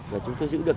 và chúng tôi giữ được